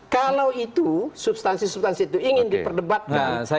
kalau itu substansi substansi itu ingin diperdebatkan